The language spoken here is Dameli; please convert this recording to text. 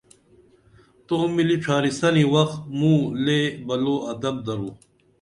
تو ملی ڇھارِسنی وخ موں لے بلو ادب درو